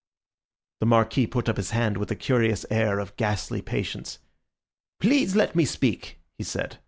The Marquis put up his hand with a curious air of ghastly patience. "Please let me speak," he said.